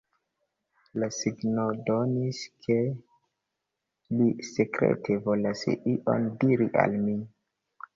Li signodonis, ke li sekrete volas ion diri al mi.